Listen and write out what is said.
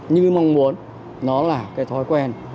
như mong muốn nó là cái thói quen